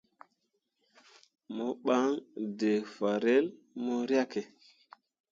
Mo ɓan d̃ǝǝ fanrel mo riahke.